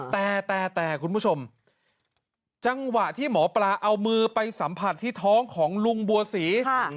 แต่แต่แต่คุณผู้ชมจังหวะที่หมอปลาเอามือไปสัมผัสที่ท้องของลุงบัวศรี